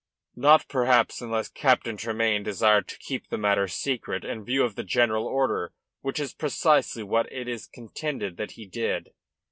"Not perhaps unless Captain Tremayne desired to keep the matter secret, in view of the general order, which is precisely what it is contended that he did."